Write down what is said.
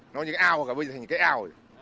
nó như cái ao cả bây giờ thành cái ao